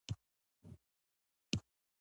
پر خپل قول درېدلی وای.